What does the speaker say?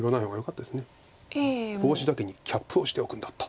ボウシだけに「キャップ」をしておくんだった。